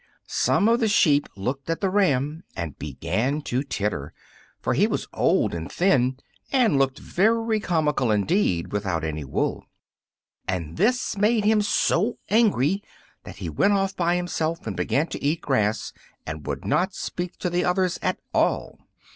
Some of the sheep looked at the ram and began to titter, for he was old and thin, and looked very comical indeed without any wool. And this made him so angry that he went off by himself and began eating grass, and would not speak to the others at all.